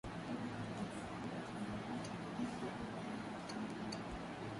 ile inayojulikana na kutajwa zaidi ni ile ya Antipater